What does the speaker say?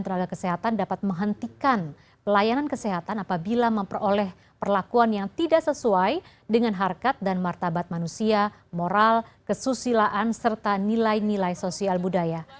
tenaga kesehatan dapat menghentikan pelayanan kesehatan apabila memperoleh perlakuan yang tidak sesuai dengan harkat dan martabat manusia moral kesusilaan serta nilai nilai sosial budaya